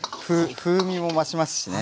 風味も増しますしね。